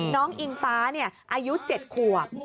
น้องอิงฟ้าเนี่ยอายุ๗ขวบ